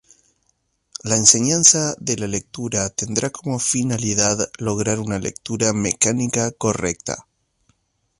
La enseñanza de la lectura tendrá como finalidad lograr una lectura mecánica correcta.